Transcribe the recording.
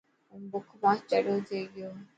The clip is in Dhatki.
هون بک مان چڙيو ٿي گيو.